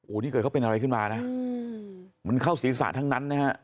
นี่เกิดเขาเป็นอะไรขึ้นมานะมันเข้าศีรษะทั้งนั้นนะฮะ